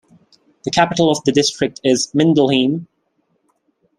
The capital of the district is Mindelheim.